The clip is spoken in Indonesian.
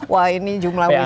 wah ini jumlah wisata